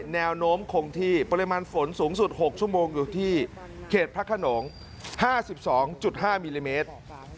แนวโน้มคงที่ปริมาณฝนสูงสุด๖ชั่วโมงอยู่ที่เขตพระขนง๕๒๕มิลลิเมตร